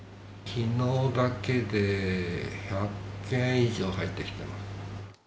きのうだけで１００件以上入ってきてます。